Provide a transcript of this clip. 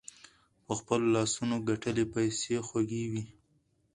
په خپلو لاسونو ګتلي پیسې خوږې وي.